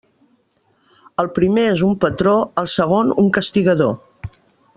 El primer és un patró, el segon un castigador.